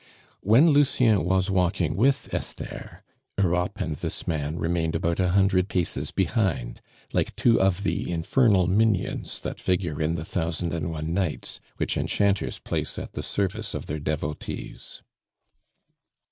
When Lucien was walking with Esther, Europe and this man remained about a hundred paces behind, like two of the infernal minions that figure in the Thousand and One Nights, which enchanters place at the service of their devotees.